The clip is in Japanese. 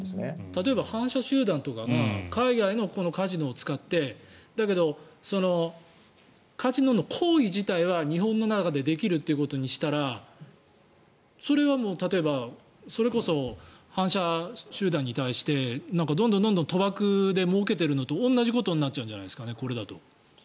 例えば反社集団とかが海外のカジノを使ってだけど、カジノの行為自体は日本の中でできるということにしたらそれはもう、例えば、それこそ反社集団に対してどんどん賭博でもうけているのと同じことになるんじゃないですかね。